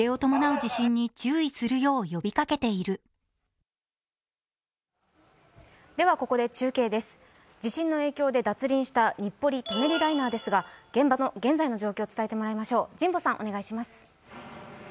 地震の影響で脱輪した日暮里・舎人ライナーですが現場の現在の状況を伝えてもらいましょう。